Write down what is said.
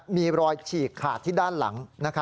มีรอยฉีกขาดที่ด้านหลัง